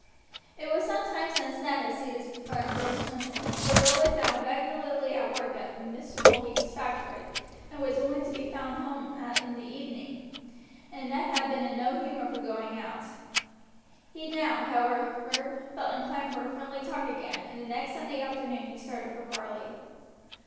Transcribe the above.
It was some time since Ned had seen his friend Bill Swinton, for Bill was now regularly at work in Mr. Mulready's factory and was only to be found at home in the evening, and Ned had been in no humor for going out. He now, however, felt inclined for a friendly talk again, and the next Sunday afternoon he started for Varley.